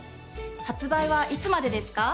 発売はいつまでですか？